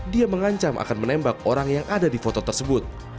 dia mengancam akan menembak orang yang ada di foto tersebut